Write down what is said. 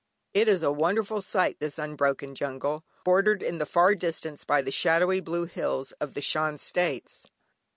It is a wonderful sight, this unbroken jungle, bordered in the far distance by the shadowy blue hills of the Shan States.